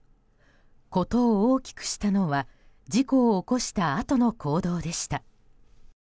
事を大きくしたのは、事故を起こしたあとの行動でした。